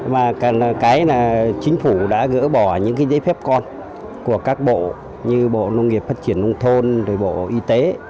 là cái chính phủ đã gỡ bỏ những giấy phép con của các bộ như bộ nông nghiệp phát triển nông thôn bộ y tế